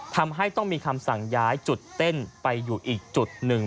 ทำให้ต้องมีคำสั่งย้ายจุดเต้นไปอยู่อีกจุดหนึ่ง